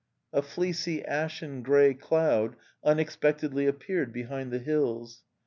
A fleecy ashen grey cloud unexpectedly appeared be hind the hills.